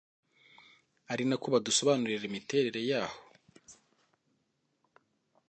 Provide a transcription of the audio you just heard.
ari na ko badusobanurira imiterere yaho